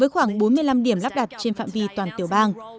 các camera được lắp đặt trên phạm vi toàn tiểu bang